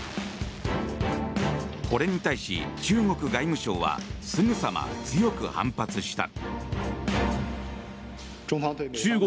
これに対し、中国外務省はすぐさま強く反発した。